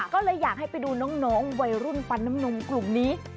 ก็เลยอยากให้ไปดูน้องวัยรุ่นฟันน้ำนมกลุ่มนี้